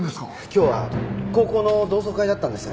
今日は高校の同窓会だったんです。